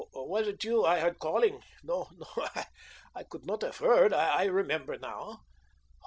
Was it you I heard calling? No, I could not have heard I remember now.